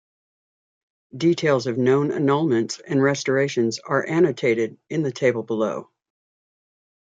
Details of known annulments and restorations are annotated in the table below.